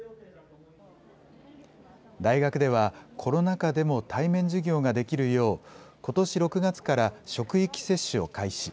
大学では、コロナ禍でも対面授業ができるよう、ことし６月から、職域接種を開始。